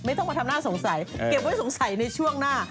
ต้องมาทำน่าสงสัยเก็บไว้สงสัยในช่วงหน้า